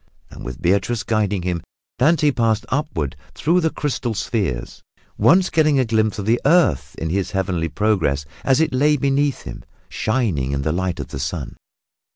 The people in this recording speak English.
And with Beatrice guiding him, Dante passed upward through the crystal spheres, once getting a glimpse of the earth in his heavenly progress as it lay beneath him shining in the light of the sun.